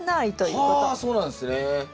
あそうなんですね。